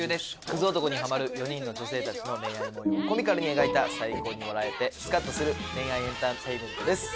くず男にハマる４人の女性たちの恋愛模様をコミカルに描いた最高に笑えてすかっとする恋愛エンターテインメントです。